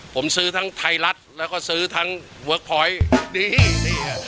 ผมซื้อทั้งไทยรัฐแล้วก็ซื้อทั้งเวิร์คพอยต์ดีนี่ฮะ